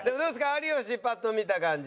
有吉パッと見た感じこう。